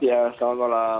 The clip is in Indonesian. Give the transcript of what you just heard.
ya selamat malam